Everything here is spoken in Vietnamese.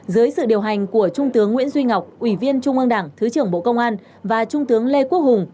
dưới sự điều hành của trung tướng nguyễn duy ngọc ủy viên trung ương đảng thứ trưởng bộ công an và trung tướng lê quốc hùng